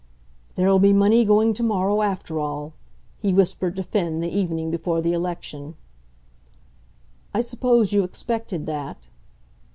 "There'll be money going to morrow after all," he whispered to Finn the evening before the election. "I suppose you expected that."